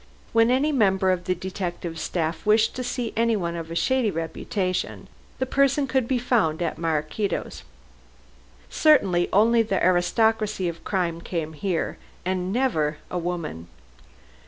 When any member of the detective staff wished to see anyone of a shady description, the person could be found at Maraquito's. Certainly, only the aristocracy of crime came here, and never a woman.